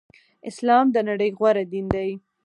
اسلام د نړی غوره دین دی.